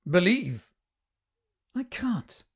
Believe." "I can't.